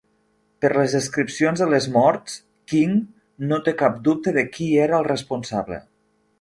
Per les descripcions de les morts, King no té cap dubte de qui era el responsable.